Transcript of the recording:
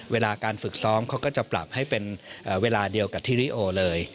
เวลาการฝึกซ้อมเขาก็จะปรับให้เป็นเวลาเดียวกับที่ริโอเลย